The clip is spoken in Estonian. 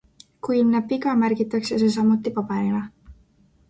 Kui ilmneb viga, märgitakse see samuti paberile.